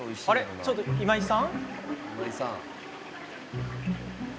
ちょっと、今井さん。